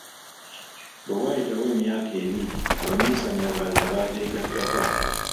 Bwe waayitawo emyaka ebiri Abaminsani abalala baabeegattako.